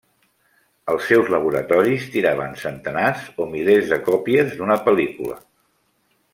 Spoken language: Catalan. Els seus laboratoris tiraven centenars o milers de còpies d'una pel·lícula.